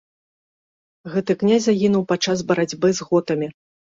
Гэты князь загінуў пад час барацьбы з готамі.